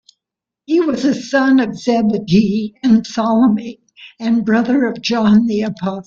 He was a son of Zebedee and Salome, and brother of John the Apostle.